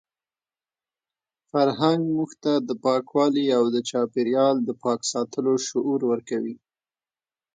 فرهنګ موږ ته د پاکوالي او د چاپیریال د پاک ساتلو شعور ورکوي.